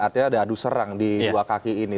artinya ada adu serang di dua kaki ini